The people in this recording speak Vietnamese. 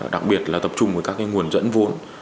đặc biệt là tập trung vào các nguồn dẫn vốn